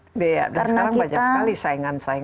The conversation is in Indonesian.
iya dan sekarang banyak sekali saingan saingan yang sudah muncul